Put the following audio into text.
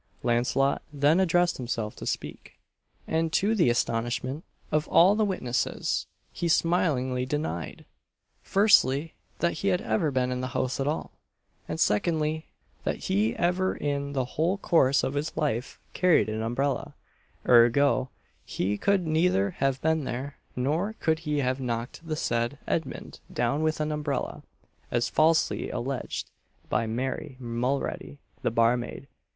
Launcelot then addressed himself to speak; and to the astonishment of all the witnesses, he smilingly denied firstly, that he had ever been in the house at all; and secondly, that he ever in the whole course of his life carried an umbrella ergo, he could neither have been there, nor could he have knocked the said Edmund down with an umbrella, as falsely alleged by Mary Mulready, the barmaid.